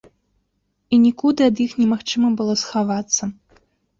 І нікуды ад іх немагчыма было схавацца.